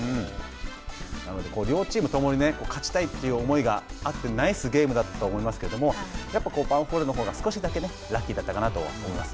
なので、両チーム共に勝ちたいという思いがあってナイスゲームだったと思いますけどもやっぱりヴァンフォーレのほうが少しだけラッキーだったかなとは思います。